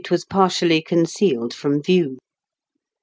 233 was partially concealed from view.